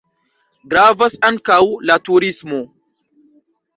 Gravas ankaŭ la turismo.